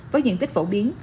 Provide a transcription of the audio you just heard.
với diện tích phổ biến